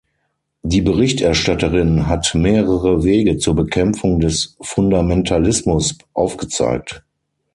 Die Berichterstatterin hat mehrere Wege zur Bekämpfung des Fundamentalismus aufgezeigt.